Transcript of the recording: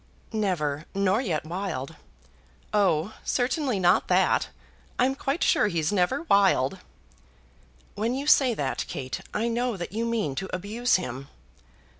"Never; nor yet wild." "Oh, certainly not that. I'm quite sure he's never wild." "When you say that, Kate, I know that you mean to abuse him."